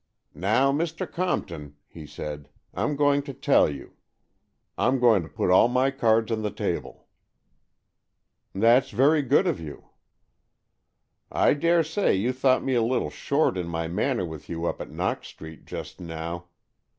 " Now, Mr. Compton," he said, " Pm going to tell you. Pm going to put all my cards on the table." '' That's very good of you." " I dare say you thought me a little short in my manner with you up at Knox Street just now.